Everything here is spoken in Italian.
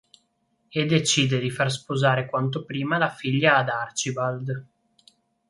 E decide di far sposare quanto prima la figlia ad Archibald.